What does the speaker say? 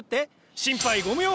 心配ご無用！